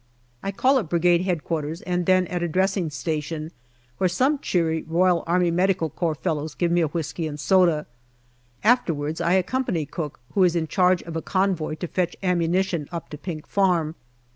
I call at Brigade H.Q. and then at a dressing station, where some cheery R.A.M.C. fellows give me a whisky and soda. After wards I accompany Cooke, who is in charge of a convoy to fetch ammunition, up to Pink Farm.